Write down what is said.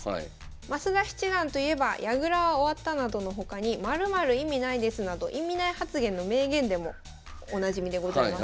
増田七段といえば「矢倉は終わった」などの他に「○○意味ないです」など意味ない発言の名言でもおなじみでございます。